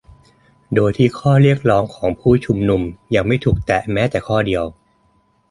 โดยที่ข้อเรียกร้องของผู้ชุมนุมยังไม่ถูกแตะแม้แต่ข้อเดียว